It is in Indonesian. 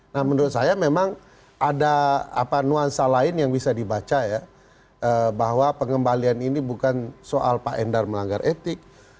nah menurut saya memang ada nuansa lain yang bisa dibaca ya bahwa pengembalian ini bukan soal pak endar melanggar etik